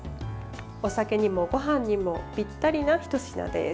お酒にも、ごはんにもぴったりなひと品です。